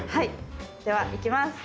では、いきます。